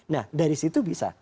nah dari situ bisa